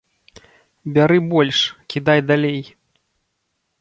Бяры больш, кідай далей.